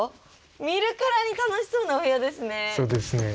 見るからに楽しそうなお部屋ですね。